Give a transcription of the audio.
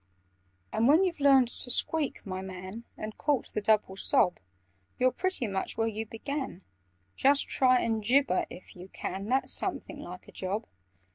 "And when you've learned to squeak, my man, And caught the double sob, You're pretty much where you began: Just try and gibber if you can! That's something like a job!